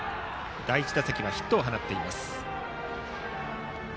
第１打席はヒットを放っています。